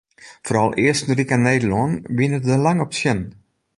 Foaral Eastenryk en Nederlân wiene der lang op tsjin.